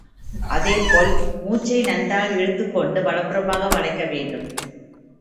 அதேபோல், மூச்சை நன்றாக இழுத்துக் கொண்டு வலப்புறமாக வளைக்க வேண்டும்.